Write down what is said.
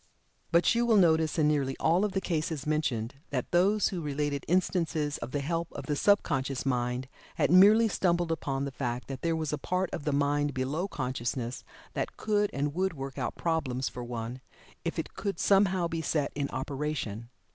But you will notice in nearly all the cases mentioned, that those who related instances of the help of the sub conscious mind had merely stumbled upon the fact that there was a part of the mind below consciousness that could and would work out problems for one, if it could somehow be set in operation.